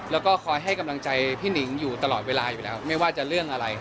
แล้วก็คอยให้กำลังใจพี่หนิงอยู่ตลอดเวลาอยู่แล้วไม่ว่าจะเรื่องอะไร